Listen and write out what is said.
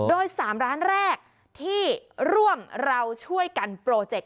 โดย๓ร้านแรกที่ร่วมเราช่วยกันโปรเจค